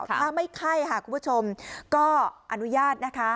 ถ้าไม่ไข้ค่ะคุณผู้ชมก็อนุญาตนะคะ